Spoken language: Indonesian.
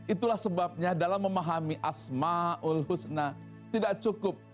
itulah sebabnya dalam memahami asma'ul husna tidak cukup